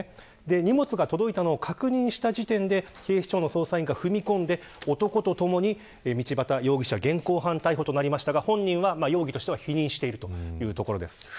荷物が届いたのを確認した時点で警視庁の捜査員が踏み込んで男とともに道端容疑者現行犯逮捕となりましたが本人は容疑としては否認しているというところです。